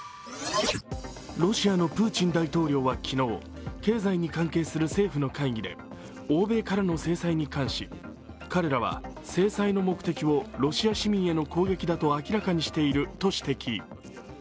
ロシアのプーチン大統領は昨日、経済に関係する政府の会議で欧米からの制裁に関し彼らは制裁の目的をロシア市民への攻撃だと明らかにしていると指摘。